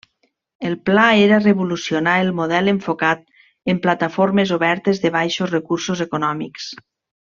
El pla era revolucionar el model enfocat en plataformes obertes de baixos recursos econòmics.